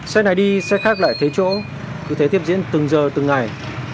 xe này đi xe khác lại thấy chỗ cứ thế tiếp diễn từng giờ từng ngày